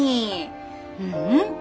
ううん。